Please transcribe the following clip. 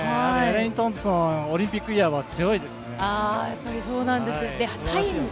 エレイン・トンプソン、オリンピックイヤーは強いですね。